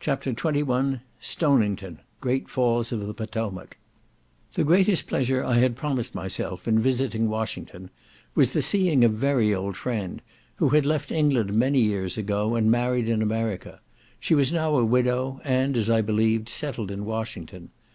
CHAPTER XXI Stonington—Great Falls of the Potomac The greatest pleasure I had promised myself in visiting Washington was the seeing a very old friend, who had left England many years ago, and married in America; she was now a widow, and, as I believed, settled in Washington.